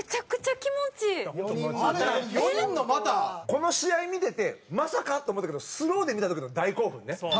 この試合見ててまさかって思ったけどスローで見た時の大興奮ね。